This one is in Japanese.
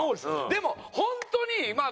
でも本当にまあ